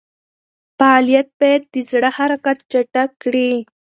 فعالیت باید د زړه حرکت چټک کړي.